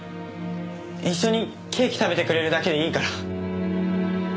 一緒にケーキ食べてくれるだけでいいから。